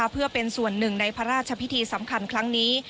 เพื่อเป็นส่วนหนึ่งในพระราชพิธีสำคัญครั้งนี้